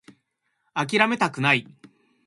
諦めたくない